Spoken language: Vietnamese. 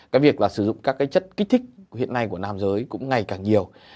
cái việc là sử dụng các cái chất kích thích hiện nay của nam giới cũng ngày càng nhiều